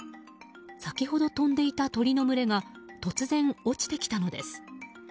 先ほど飛んでいた鳥の群れが突然、落ちてきたのです。